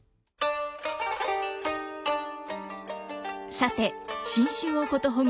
さて新春をことほぐ